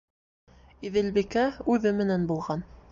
Иҙелбикә үҙе менән булған.